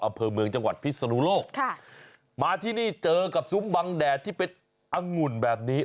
อำเภอเมืองจังหวัดพิศนุโลกค่ะมาที่นี่เจอกับซุ้มบังแดดที่เป็นอังุ่นแบบนี้